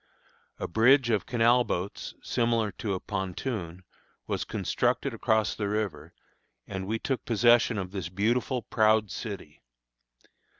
A bridge of canal boats, similar to a pontoon, was constructed across the river, and we took possession of this beautiful, proud city.